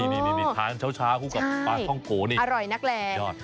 นี่ทานช้าคู่กับปลาท่องก๋อร่อยนักแรง